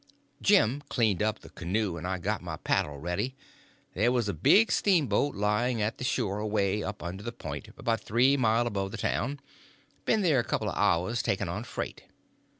Jim cleaned up the canoe, and I got my paddle ready. There was a big steamboat laying at the shore away up under the point, about three mile above the town—been there a couple of hours, taking on freight.